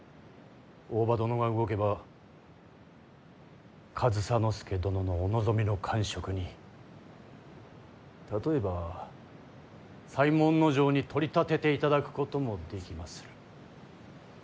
大庭殿が動けば上総介殿のお望みの官職に例えば左衛門尉に取り立てていただくこともできまする。